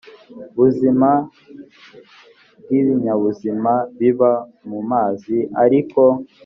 buzima bw ibinyabuzima biba mu mazi ariko